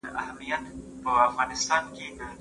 پيغمبر د ټولو لپاره بېلګه وه.